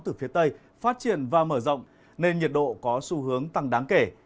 từ phía tây phát triển và mở rộng nên nhiệt độ có xu hướng tăng đáng kể